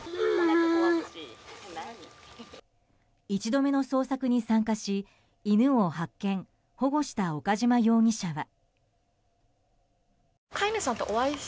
１度目の捜索に参加し犬を発見・保護した岡島容疑者は。